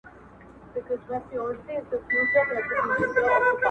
له خپله سیوري خلک ویریږي.!